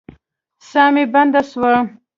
ساه مي بنده سوه.